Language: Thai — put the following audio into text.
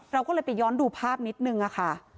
เราก็เลยไปย้อนดูภาพนิดนึงค่ะ